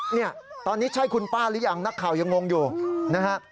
เนี่ยตอนนี้ใช่คุณป้าหรือยังนักข่าวยังงงอยู่นะฮะ